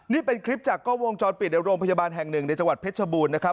นี่เป็นคลิปจากกล้องวงจรปิดในโรงพยาบาลแห่งหนึ่งในจังหวัดเพชรบูรณ์นะครับ